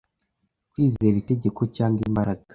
Kwizera itegeko, cyangwa imbaraga